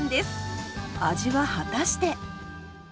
味は果たして？